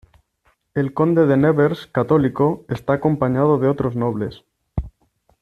El Conde de Nevers, católico, está acompañado de otros nobles.